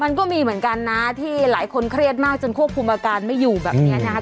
มันก็มีเหมือนกันนะที่หลายคนเครียดมากจนควบคุมอาการไม่อยู่แบบนี้นะครับ